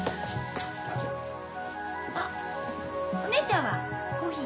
あお姉ちゃんはコーヒー？